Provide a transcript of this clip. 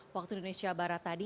waktu indonesia barat tadi